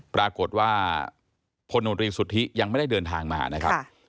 ปรากฏว่าพลโนตรีสุทธิยังไม่ได้เดินทางมานะครับ